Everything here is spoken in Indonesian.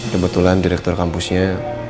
kebetulan direktur kampusnya